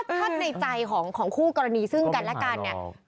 ถ้าในใจของคู่กรณีซึ่งกันและกันเนี่ย